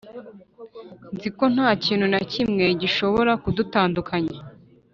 nzi ko nta kintu na kimwe gishobora kudutandukanya. "